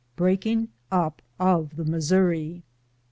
BEEAKmO UP OF THE MISSOURI.